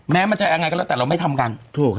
มันจะยังไงก็แล้วแต่เราไม่ทำกันถูก